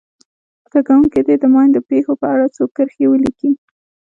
زده کوونکي دې د ماین د پېښو په اړه څو کرښې ولیکي.